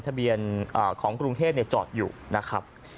ทะเบียนของกรุงเทพจอดอยู่นะครับ